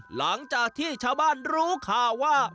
หลังจากที่ชาวบ้านรู้ข่าวว่า